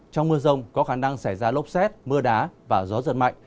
trong mưa rông có khả năng xảy ra lốc xét mưa đá và gió giật mạnh